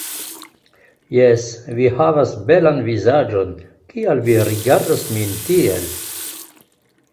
Jes, vi havas belan vizaĝon, kial vi rigardas min tiel?